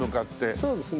そうですね。